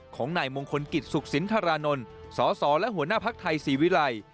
ของนายมงคลกิจสุขสินธารานนท์สสและหัวหน้าภักดิ์ไทยศรีวิรัย